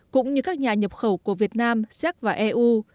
cũng như các nhà nhập khẩu của việt nam séc và eu